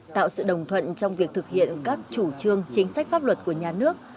tạo sự đồng thuận trong việc thực hiện các chủ trương chính sách pháp luật của nhà nước